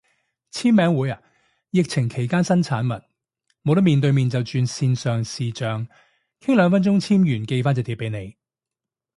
簽名會啊，疫情期間新產物，冇得面對面就轉線上視象，傾兩分鐘簽完寄返隻碟俾你